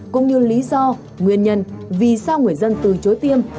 cũng như lý do nguyên nhân vì sao người dân từ chối tiêm